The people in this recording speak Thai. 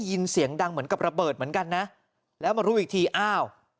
เสียงดังเหมือนกับระเบิดเหมือนกันนะแล้วมารู้อีกทีอ้าว